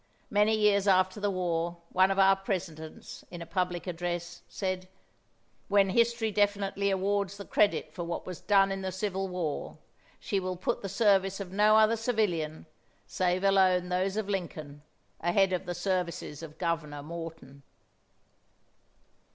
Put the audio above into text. Many years after the war one of our Presidents, in a public address, said: "When history definitely awards the credit for what was done in the Civil War, she will put the services of no other civilian, save alone those of Lincoln, ahead of the services of Governor Morton."